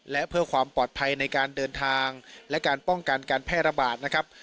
และเพื่อความปลอดภัยในการเดินทางและการป้องกันการแพร่ระบาดนะครับ